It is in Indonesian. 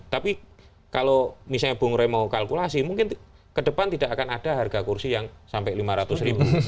tapi kalau misalnya bung rey mau kalkulasi mungkin ke depan tidak akan ada harga kursi yang sampai lima ratus ribu